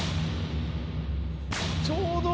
「ちょうど」